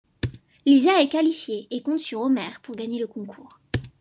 Lisa est qualifiée et compte sur Homer pour gagner le concours.